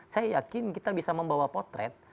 saya yakin kita bisa membawa potret